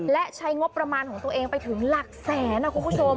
และใช้งบประมาณของตัวเองไปถึงหลักแสนนะคุณผู้ชม